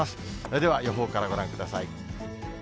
では予報からご覧ください。